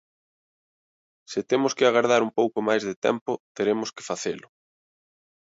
Se temos que agardar un pouco máis de tempo, teremos que facelo.